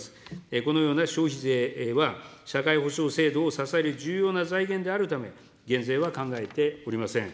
このような消費税は、社会保障制度を支える重要な財源であるため、減税は考えておりません。